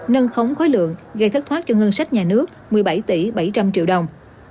nâng khống khối lượng gây thất thoát cho ngân sách nhà nước một mươi bảy tỷ bảy trăm linh triệu đồng